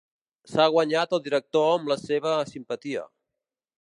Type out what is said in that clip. S'ha guanyat el director amb la seva simpatia.